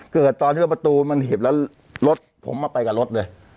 เกิดตอนที่ว่าประตูมันเห็บแล้วรถผมมาไปกับรถเลย